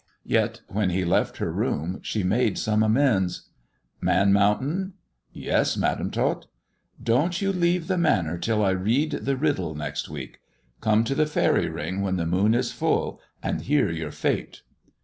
Yet when he left her room she made some amends. " Man Mountain ?"" Yes, Madam Tot." " Don't you leave the Manor till I read the riddle next week. Come to the faery ring when the moon is full, and hear your fate."